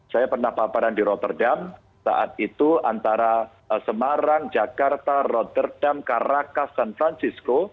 saya pernah paparan di rotterdam saat itu antara semarang jakarta rotterdam karakas dan francisco